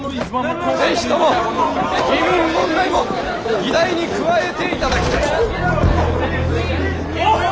是非とも移民問題も議題に加えていただきたい！